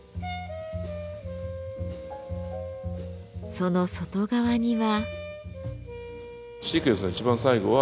その外側には。